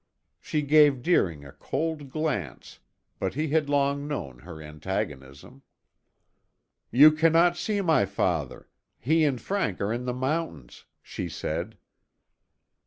She gave Deering a cold glance, but he had long known her antagonism. "You cannot see my father. He and Frank are in the mountains," she said.